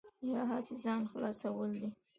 یا هسې ځان خلاصول دي.